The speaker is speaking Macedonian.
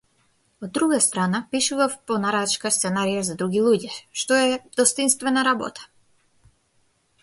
Од друга страна, пишував по нарачка сценарија за други луѓе, што е достоинствена работа.